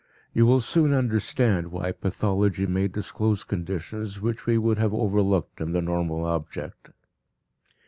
You will soon understand why pathology may disclose conditions which we would have overlooked in the normal object.